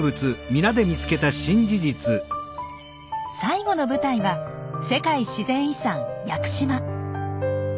最後の舞台は世界自然遺産屋久島。